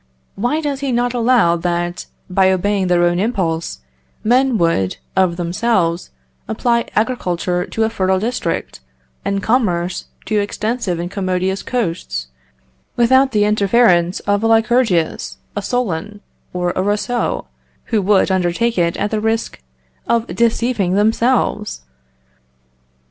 Why does he not allow that, by obeying their own impulse, men would, of themselves, apply agriculture to a fertile district, and commerce to extensive and commodious coasts, without the interference of a Lycurgus, a Solon, or a Rousseau, who would undertake it at the risk of deceiving themselves?